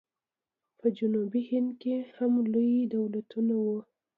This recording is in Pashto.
په جنوبي هند کې هم لوی دولتونه وو.